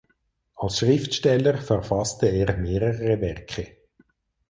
Als Schriftsteller verfasste er mehrere Werke.